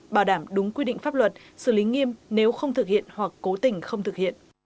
bảo đảm đúng quy định pháp luật xử lý nghiêm nếu không thực hiện hoặc cố tình không thực hiện